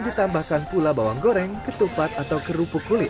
ditambahkan pula bawang goreng ketupat atau kerupuk kulit